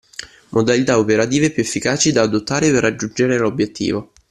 Modalità operative più efficaci da adottare per raggiungere l'obiettivo.